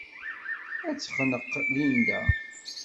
Ad tt-texneq Linda.